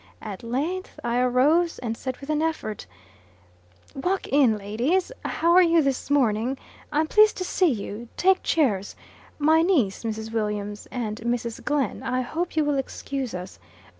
At length, I arose, and said with an effort, "Walk in, ladies! How are you this morning? I'm pleased to see you. Take chairs. My niece, Mrs. Williams, and Mrs. Glenn. I hope you will excuse us.